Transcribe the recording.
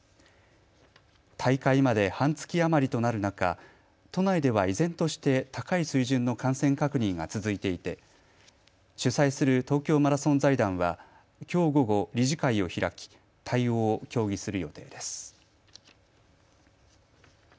大会まで半月余りとなる中、都内では依然として高い水準の感染確認が続いていて主催する東京マラソン財団はきょう午後、理事会を開き対応を協議する予定です。